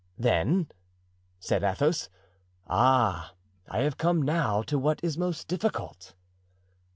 "Then?" said Athos. "Ah, I have come now to what is most difficult."